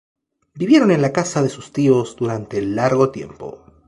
Vivieron en la casa de sus tíos durante largo tiempo.